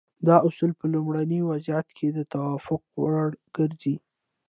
دا اصول په لومړني وضعیت کې د توافق وړ ګرځي.